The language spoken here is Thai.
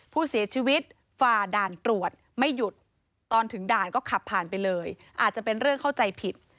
ผู้เสียชีวิตฝ่าด่านตรวจไม่หยุดตอนถึงด่านก็ขับผ่านไปเลยอาจจะเป็นเรื่องเข้าใจผิด